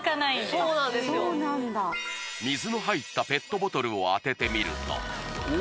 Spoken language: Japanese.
そうなんだ水の入ったペットボトルを当ててみるとおお！